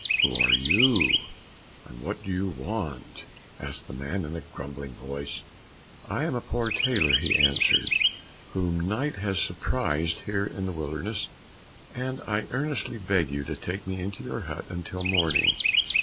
"Who are you, and what do you want?" asked the man in a grumbling voice. "I am a poor tailor," he answered, "whom night has surprised here in the wilderness, and I earnestly beg you to take me into your hut until morning."